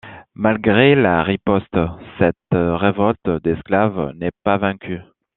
Malgré la riposte, cette révolte d'esclaves n'est pas vaincue.